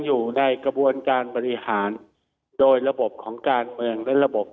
อยู่ในกระบวนการบริหารโดยระบบของการเมืองและระบบ